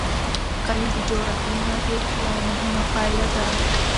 کلي د جغرافیایي موقیعت یوه مهمه پایله ده.